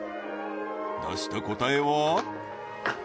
出した答えは？